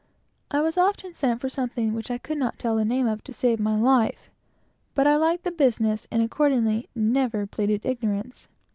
I was often sent to get something which I could not tell the name of to save my life; but I liked the business, and accordingly never pleaded ignorance.